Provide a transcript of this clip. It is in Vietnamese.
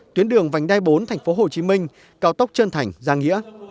tuyến đường vành đai bốn tp hcm cao tốc trân thành giang nghĩa